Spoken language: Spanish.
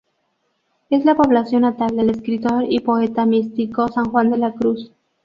Es la población natal del escritor y poeta místico San Juan de la Cruz.